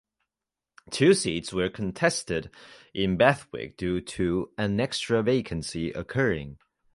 Two seats were contested in Bathwick due to an extra vacancy occurring.